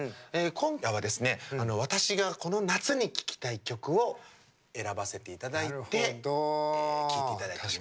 今夜はですね、私が、この夏に聴きたい曲を選ばせていただいて聴いていただいています。